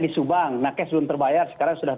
di subang nakes belum terbayar sekarang sudah